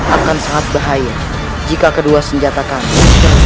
akan sangat bahaya jika kedua senjata kami